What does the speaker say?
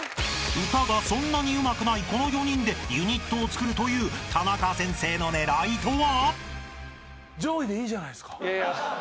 ［歌がそんなにうまくないこの４人でユニットをつくるというタナカ先生の狙いとは？］